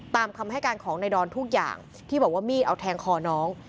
ตามคำให้การของนายดอนทุกอย่างที่บอกว่ามีดเอาแทงคอน้อง